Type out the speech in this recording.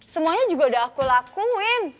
semuanya juga udah aku lakuin